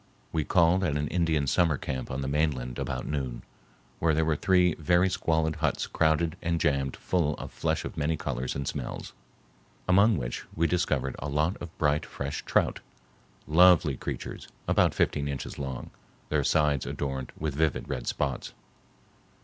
We called at an Indian summer camp on the mainland about noon, where there were three very squalid huts crowded and jammed full of flesh of many colors and smells, among which we discovered a lot of bright fresh trout, lovely creatures about fifteen inches long, their sides adorned with vivid red spots.